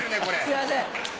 すいません